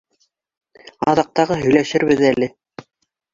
Аҙаҡ тағы һөйләшербеҙ әле.